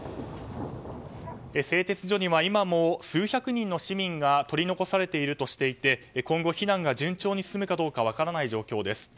製鉄所には今も数百人の市民が取り残されているとしていて今後、避難が順調に進むかどうか分からない状況です。